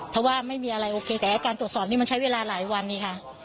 ถ้าว่าไม่มีอะไรโอเคแต่การตรวจสอบนี้ใช้เวลาหลายวันนี้